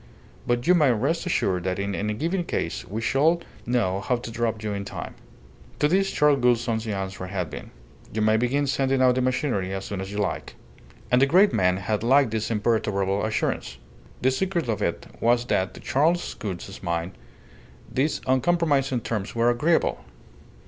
But you may rest assured that in a given case we shall know how to drop you in time." To this Charles Gould's only answer had been: "You may begin sending out the machinery as soon as you like." And the great man had liked this imperturbable assurance. The secret of it was that to Charles Gould's mind these uncompromising terms were agreeable.